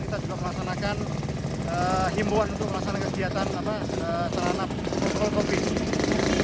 kita juga melaksanakan himbuan untuk melaksanakan kegiatan selanap selanap covid